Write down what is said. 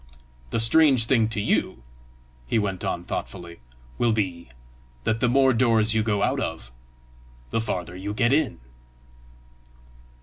The strange thing to you," he went on thoughtfully, "will be, that the more doors you go out of, the farther you get in!"